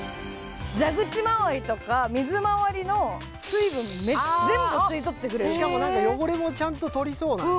蛇口回りとか水回りの水分全部吸い取ってくれるしかも汚れもちゃんと取りそうだね